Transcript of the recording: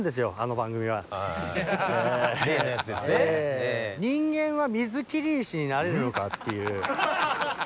「人間は水切り石になれるのか？」っていうロケがありまして。